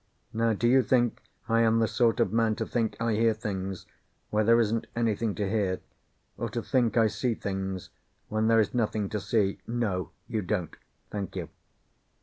Now, do you think I am the sort of man to think I hear things where there isn't anything to hear, or to think I see things when there is nothing to see? No, you don't. Thank you.